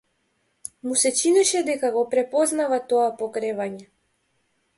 Му се чинеше дека го препознава тоа покревање.